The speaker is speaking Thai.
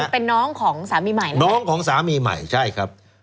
เป็นน้องของสามีใหม่นะน้องของสามีใหม่ใช่ครับ